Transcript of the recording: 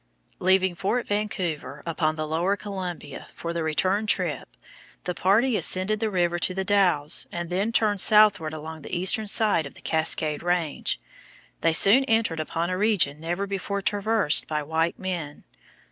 Leaving Fort Vancouver, upon the lower Columbia, for the return trip, the party ascended the river to The Dalles and then turned southward along the eastern side of the Cascade Range. They soon entered upon a region never before traversed by white men.